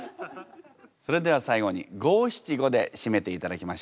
それでは最後に五七五で締めていただきましょう。